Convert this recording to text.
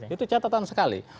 itu catatan sekali